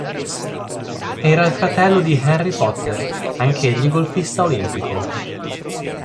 Era il fratello di Henry Potter, anch'egli golfista olimpico.